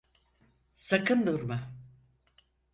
Sakın durma!